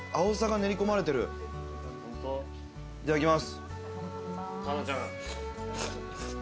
いただきます。